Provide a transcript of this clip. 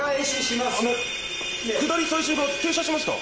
あの下り最終が停車しました。